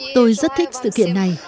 tôi rất thích sự kiện này